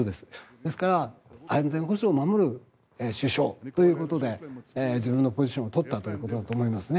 ですから、安全保障を守る首相ということで自分のポジションを取ったということだと思います。